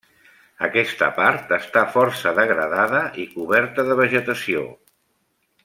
Aquesta part està força degradada i coberta de vegetació.